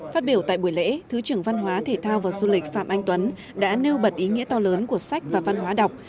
phát biểu tại buổi lễ thứ trưởng văn hóa thể thao và du lịch phạm anh tuấn đã nêu bật ý nghĩa to lớn của sách và văn hóa đọc